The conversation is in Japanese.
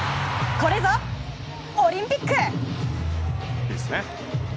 これぞ、オリンピック！